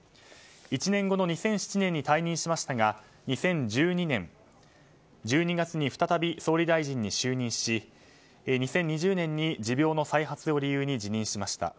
１年後の２００７年に退任しましたが２０１２年１２月に再び総理大臣に就任し２０２０年に持病の再発を理由に辞任しました。